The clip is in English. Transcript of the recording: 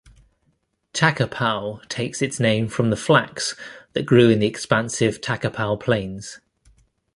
Takapau takes its name from the flax that grew in the expansive Takapau plains.